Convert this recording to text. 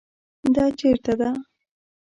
دا چیرته ده؟